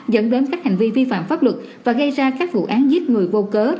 dẫn đến các hành vi vi phạm pháp luật và gây ra các vụ án giết người vô cớ